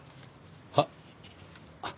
はっ？